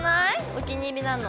お気に入りなの。